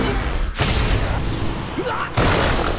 うわっ！！